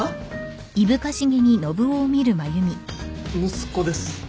息子です。